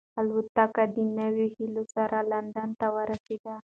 الوتکه د نویو هیلو سره لندن ته ورسېده.